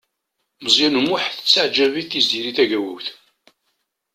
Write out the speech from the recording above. Meẓyan U Muḥ tettaɛǧab-it Tiziri Tagawawt.